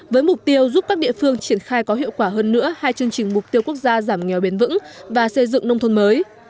với mục tiêu giúp các địa phương triển khai có hiệu quả hơn nữa hai chương trình mục tiêu quốc gia giảm nghèo bền vững và xây dựng nông thôn mới